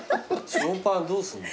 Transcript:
ショーパンどうするの？